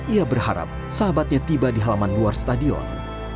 ia berharap sahabatnya tiba di halaman luar stadion